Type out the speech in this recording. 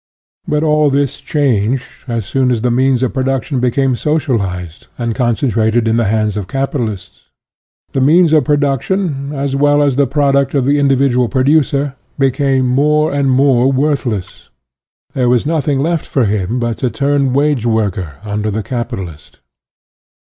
But all this changed, as soon as the means of production became socialized and concentrated in the hands of capitalists. ,The means of production, as well as the product of the individual producer became more and more worthless; there was noth ing left for him but to turn wage worker under the capitalist.